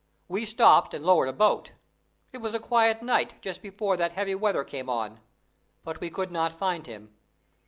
We stopped and lowered a boat; it was a quiet night, just before that heavy weather came on; but we could not find him.